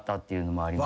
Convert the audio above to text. あります。